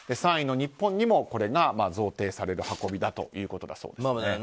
３位の日本にもこれが贈呈される運びだということです。